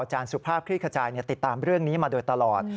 อาจารย์สุภาพคลิกระจายติดตามเรื่องนี้มาโดยตลอด